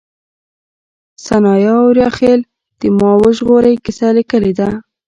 سناء اوریاخيل د ما وژغورئ کيسه ليکلې ده